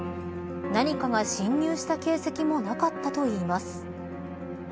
何かが侵入した形跡もなかったといいます。